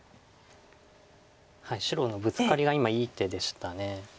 白のブツカリは今いい手でした。